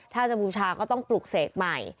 ถ้าจะบูชาก็ต้องปลุกเสกใหม่